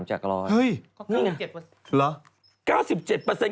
๓จาก๑๐๐